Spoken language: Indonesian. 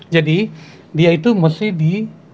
jadi dia itu mesti di